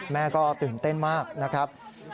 แม่ก็ตื่นเต้นมากนะครับ